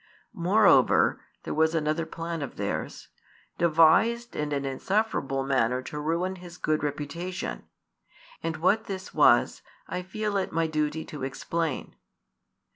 Moreover [there was another plan of theirs] devised in an insufferable manner to ruin His good reputation; and what this was, I feel it my duty to explain.